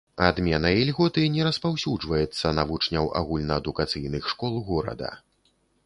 Адмена ільготы не распаўсюджваецца на вучняў агульнаадукацыйных школ горада.